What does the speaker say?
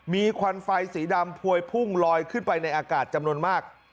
มีควันไฟสีดำพวยพุ่งลอยขึ้นไปในอากาศจำนวนมาก